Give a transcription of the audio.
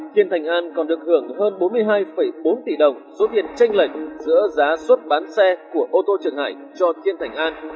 thiên thành an còn được hưởng hơn bốn mươi hai bốn tỷ đồng số tiền tranh lệch giữa giá xuất bán xe của ô tô trường hải cho thiên thành an